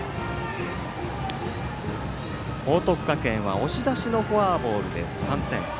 報徳学園は押し出しのフォアボールで３点。